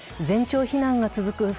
全町避難が続く